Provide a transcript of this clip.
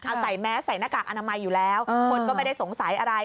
เอาใส่แมสใส่หน้ากากอนามัยอยู่แล้วคนก็ไม่ได้สงสัยอะไร